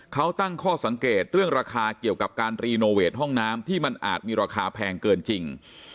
เขาตั้งข้อสังเกตเรื่องราคาเกี่ยวกับการรีโนเวทห้องน้ำที่มันอาจมีราคาแพงเกินจริง